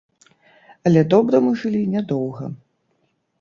Але добра мы жылі нядоўга.